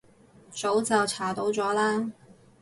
早就查到咗啦